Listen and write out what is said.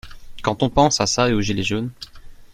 Quand on pense à ça et aux gilets jaunes.